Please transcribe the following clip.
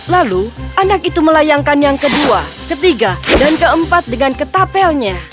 lalu anak itu melayangkan yang kedua ketiga dan keempat dengan ketapelnya